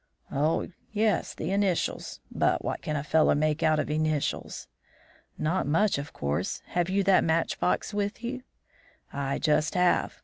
"Oh, yes, initials; but what can a fellow make out of initials?" "Not much, of course. Have you that match box with you?" "I just have.